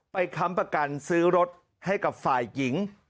ค้ำประกันซื้อรถให้กับฝ่ายหญิง